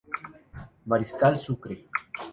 Mariscal Sucre.